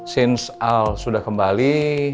since al sudah kembali